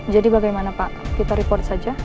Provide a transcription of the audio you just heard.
jadi bagaimana pak kita report saja